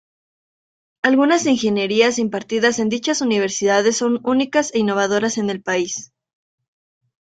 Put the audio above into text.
Algunas ingenierías impartidas en dichas universidades, son únicas e innovadoras en el país.